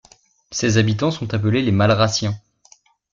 Ses habitants sont appelés les Malrassiens.